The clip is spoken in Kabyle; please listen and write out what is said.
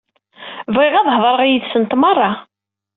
Bɣiɣ ad hedreɣ yid-sent merra.